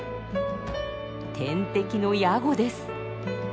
天敵のヤゴです。